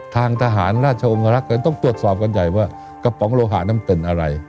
ทางทหารราชองครักษ์ต้องตรวจสอบกันใหญ่ว่ากระป๋องโลหะนั้นเป็นอะไร